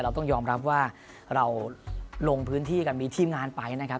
ต้องยอมรับว่าเราลงพื้นที่กันมีทีมงานไปนะครับ